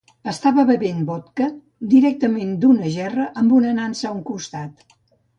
Estava bevent vodka directament d'una gerra amb una nansa a un costat.